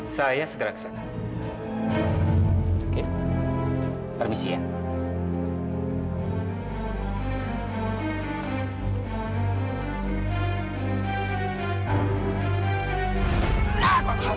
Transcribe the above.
saya segera kesana